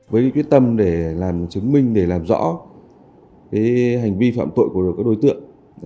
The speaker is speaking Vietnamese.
với quyết tâm để làm chứng minh để làm rõ hành vi phạm tội của các đối tượng